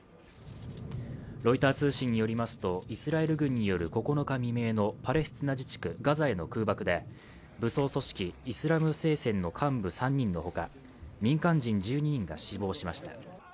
ロイター通信によりますとイスラエル軍による９日未明のパレスチナ暫定自治区ガザへの空爆で武装組織イスラム聖戦の幹部３人のほか、民間人１２人が死亡しました。